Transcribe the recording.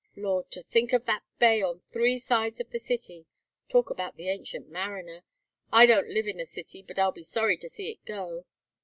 Lord! to think of that bay on three sides of the city. Talk about the Ancient Mariner. I don't live in the city, but I'll be sorry to see it go.